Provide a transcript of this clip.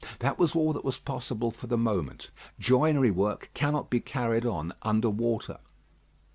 That was all that was possible for the moment. Joinery work cannot be carried on under water.